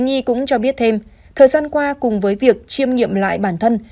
nhi cũng cho biết thêm thời gian qua cùng với việc chiêm nghiệm lại bản thân